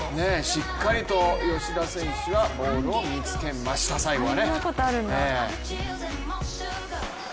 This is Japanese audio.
しっかりと吉田選手はボールを見つけました、最後は。